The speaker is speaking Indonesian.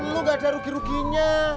lu gak ada rugi ruginya